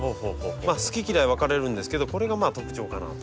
まあ好き嫌い分かれるんですけどこれが特徴かなと。